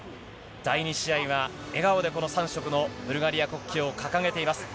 第２試合は、笑顔でこの３色のブルガリア国旗を掲げています。